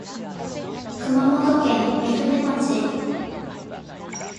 熊本県御船町